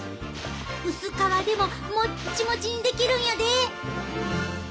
薄皮でももっちもちにできるんやで！